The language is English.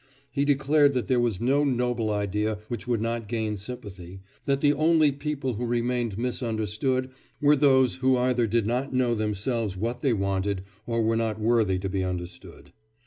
He declared that there was no noble idea which would not gain sympathy, that the only people who remained misunderstood were those who either did not know themselves what they wanted, or were not worthy to be understood.